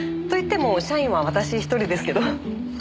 といっても社員は私１人ですけど。